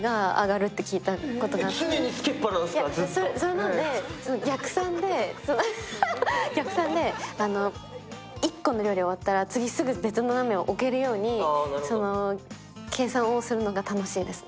それなんで、逆算で１個の料理終わったら次、別の鍋を置けるように計算をするのが楽しいですね。